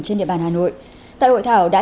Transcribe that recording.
trên địa bàn hà nội tại hội thảo đã